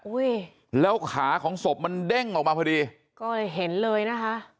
อุ้ยแล้วขาของสบมันเด้งออกมาพอดีก็เห็นเลยนะฮะ